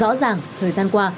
rõ ràng thời gian qua